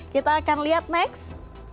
kita akan lihat next